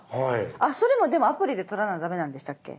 それもでもアプリで取らなダメなんでしたっけ？